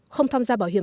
không tham gia bảo hiểm